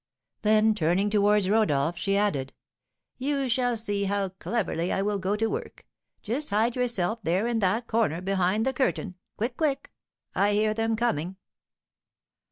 Then, turning towards Rodolph, she added, "You shall see how cleverly I will go to work. Just hide yourself there in that corner behind the curtain. Quick, quick! I hear them coming."